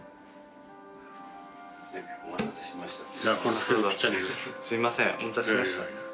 お待たせしましたって。